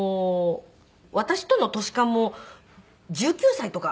私との年も１９歳とか。